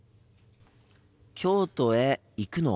京都へ行くの？